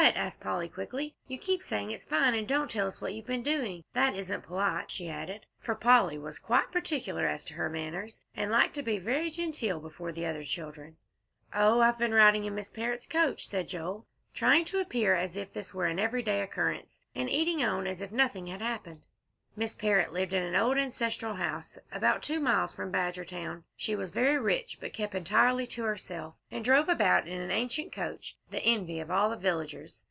asked Polly, quickly. "You keep saying it's fine, and don't tell us what you've been doing. That isn't polite," she added, for Polly was quite particular as to her manners, and liked to be very genteel before the other children. "Oh, I've been riding in Miss Parrott's coach," said Joel, trying to appear as if this were an everyday occurrence, and eating on as if nothing had happened. Miss Parrott lived in an old ancestral house, about two miles from Badgertown. She was very rich, but kept entirely to herself, and drove about in an ancient coach, the envy of all the villagers.